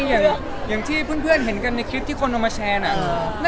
อย่างที่เพื่อนเห็นกันในคลิปที่คนเอามาแชร์น่ะ